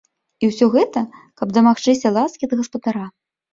І ўсё гэта, каб дамагчыся ласкі ад гаспадара.